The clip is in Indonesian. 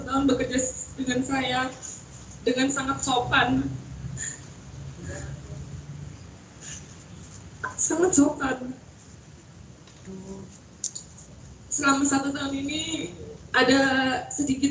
tahun bekerja dengan saya dengan sangat sopan sangat sopan selama satu tahun ini ada sedikit